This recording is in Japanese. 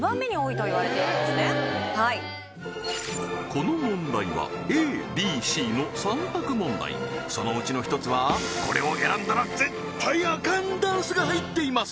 この問題はそのうちの１つはこれを選んだら絶対アカンダンスが入っています